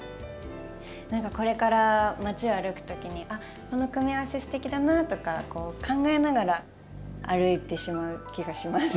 何かこれから街を歩く時に「あっこの組み合わせすてきだな」とか考えながら歩いてしまう気がします。